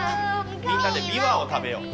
みんなでビワを食べよう。